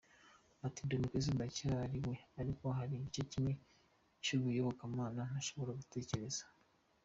Ati “Ndi umukirisitu ndacyari we ariko hari igice kimwe cy’ubuyobokamana ntashobora gutekereza.